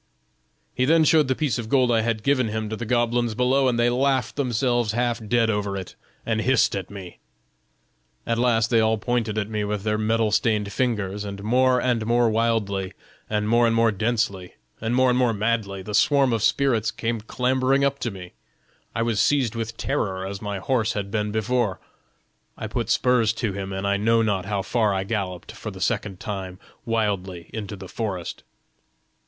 "He then showed the piece of gold I had given him to the goblins below, and they laughed themselves half dead over it and hissed at me. At last they all pointed at me with their metal stained fingers, and more and more wildly, and more and more densely, and more and more madly, the swarm of spirits came clambering up to me. I was seized with terror as my horse had been before: I put spurs to him, and I know not how far I galloped for the second time wildly into the forest."